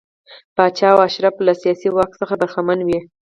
پاچا او اشراف له سیاسي واک څخه برخمن وي.